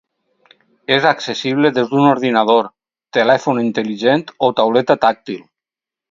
És accessible des d'un ordinador, telèfon intel·ligent o tauleta tàctil.